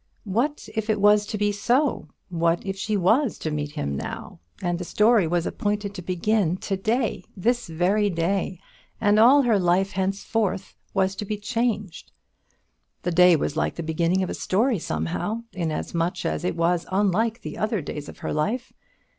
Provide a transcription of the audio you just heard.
What if it was to be so? what if she was to meet him now, and the story was appointed to begin to day, this very day, and all her life henceforth was to be changed? The day was like the beginning of a story, somehow, inasmuch as it was unlike the other days of her life.